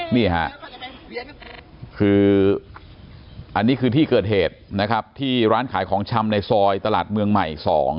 นี่ค่ะคืออันนี้คือที่เกิดเหตุนะครับที่ร้านขายของชำในซอยตลาดเมืองใหม่๒